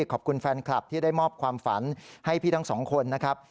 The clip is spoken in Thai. ขอบคุณแฟนคลับที่ได้มอบความฝันให้พี่ทั้งสองคนนะครับ